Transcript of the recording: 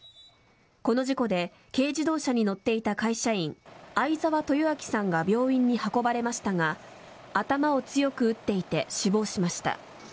この事故で軽自動車に乗っていた会社員相沢豊昭さんが病院に運ばれましたが頭を強く打っていて死亡しました。